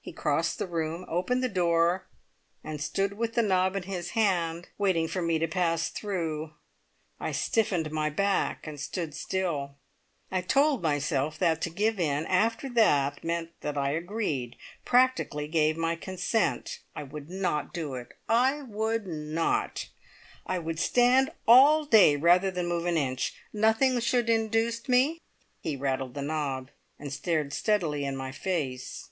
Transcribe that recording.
He crossed the room, opened the door, and stood with the knob in his hand, waiting for me to pass through. I stiffened my back and stood still. I told myself that to give in after that meant that I agreed practically gave my consent. I would not do it! I would not! I would stand all day rather than move an inch. Nothing should induce me. He rattled the knob, and stared steadily in my face.